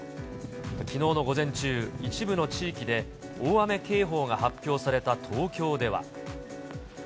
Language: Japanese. きのうの午前中、一部の地域で大雨警報が発表された東京では。